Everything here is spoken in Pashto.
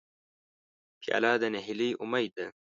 پیاله د نهیلۍ امید ده.